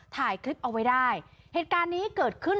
ถ่ายคลิปเอาไว้ได้เหตุการณ์นี้เกิดขึ้น